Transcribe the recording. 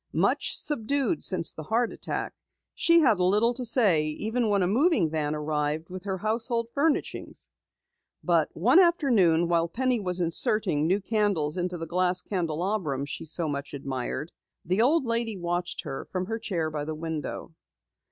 Much subdued since the heart attack, she had little to say even when a moving van arrived with her household furnishings. But one afternoon while Penny was inserting new candles in the glass candelabrum she so much admired, the old lady watched her from her chair by the window.